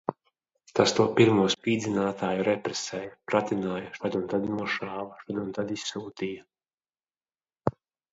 Tas to pirmo spīdzinātāju represēja, pratināja, šad un tad nošāva, šad un tad izsūtīja.